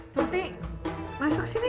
surti masuk sini